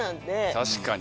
確かに。